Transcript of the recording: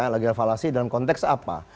logikal falasi dalam konteks apa